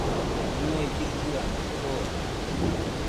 ñue llɨkɨano joone